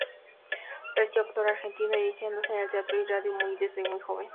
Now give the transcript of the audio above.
Recio actor argentino, iniciándose en el teatro y la radio, desde muy joven.